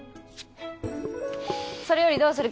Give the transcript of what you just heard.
それよりどうする？